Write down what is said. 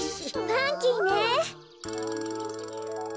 ファンキーね。